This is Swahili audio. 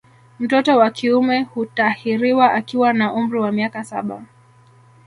Mtoto wa kiume hutahiriwa akiwa na umri wa miaka saba